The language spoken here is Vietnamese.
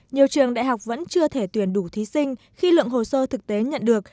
nhiều trường đại học vẫn chưa thể tuyển đủ thí sinh khi lượng hồ sơ thực tế nhận được